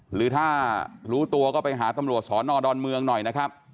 หรือถ้ารู้ตัวก็ไปหาตำรวจสอนอดอนเมืองหน่อยนะครับ